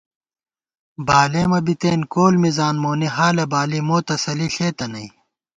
بالېمہ بِتېن کول مِزان مونی حالہ بالی مو تسلی ݪېتہ نئ